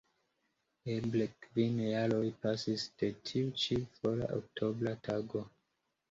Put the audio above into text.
Eble kvin jaroj pasis de tiu ĉi fora oktobra tago.